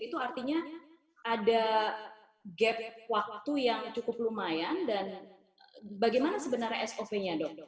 itu artinya ada gap waktu yang cukup lumayan dan bagaimana sebenarnya sop nya dok